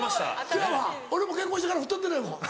せやわ俺も結婚してから太ってないもん。